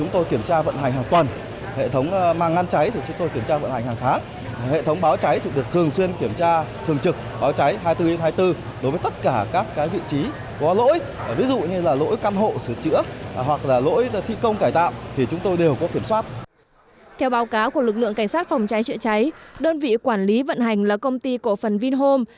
theo báo cáo của lực lượng cảnh sát phòng cháy chữa cháy đơn vị quản lý vận hành là công ty cổ phần vinhome